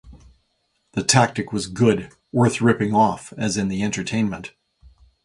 The tactic was good, worth ripping off, as in the Entertainment!